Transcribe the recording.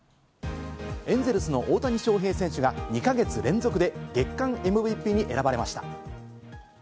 エンゼルスの大谷翔平選手が２か月連続で月間ＭＶＰに選ばれました。